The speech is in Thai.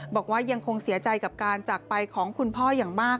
บอกว่ายังคงเสียใจกับการจากไปของคุณพ่ออย่างมาก